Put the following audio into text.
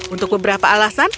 untuk beberapa alasan